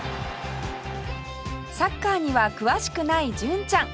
サッカーには詳しくない純ちゃん